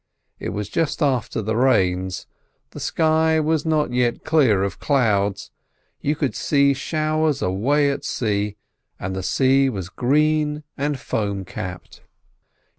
It was just after the rains, the sky was not yet quite clear of clouds; you could see showers away at sea, and the sea was green and foam capped.